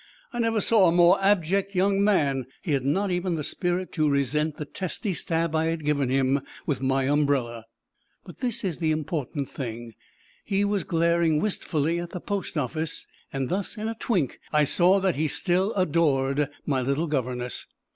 I never saw a more abject young man; he had not even the spirit to resent the testy stab I had given him with my umbrella. But this is the important thing: he was glaring wistfully at the post office and thus in a twink I saw that he still adored my little governess.